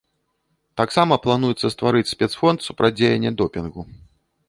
Таксама плануецца стварыць спецфонд супрацьдзеяння допінгу.